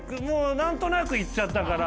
なんとなく行っちゃったから。